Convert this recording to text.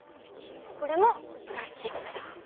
これもプラスチックだ。